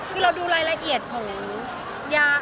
คือเราดูรายละเอียดของอย่างนี้